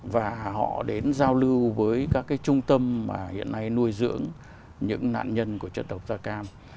và họ đến giao lưu với các cái trung tâm mà hiện nay nuôi dưỡng những nạn nhân của chất độc gia càng